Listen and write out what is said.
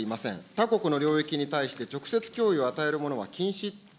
他国の領域に対して直接脅威を与えるものは禁止。